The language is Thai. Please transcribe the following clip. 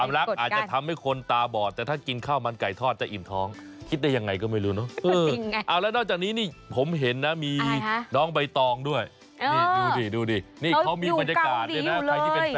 ดูให้ถูกเพจนะคุณผู้ชมจะเห็นคุณชนะใส่แว่นดำหล่ออยู่เนี่ยนะ